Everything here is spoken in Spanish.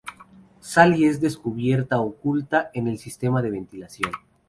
Sally es descubierta oculta en el sistema de ventilación.